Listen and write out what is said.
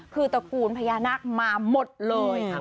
คือตระกูลพญานาคมาหมดเลยค่ะ